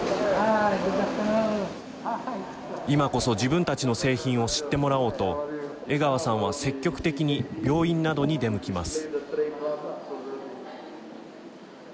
今こそ自分たちの製品を知ってもらおうと江川さんは積極的に病院などに出向きます。